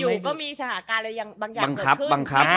มันเหมือนว่าอยู่ก็มีสถานการณ์อะไรอย่างบางอย่างเกิดขึ้นบังคับบังคับ